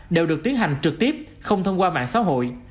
đều được tiến hành trực tiếp không thông qua mạng xã hội